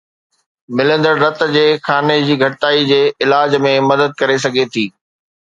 ملندڙ رت جي خاني جي گھٽتائي جي علاج ۾ مدد ڪري سگھي ٿي